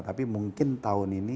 tapi mungkin tahun ini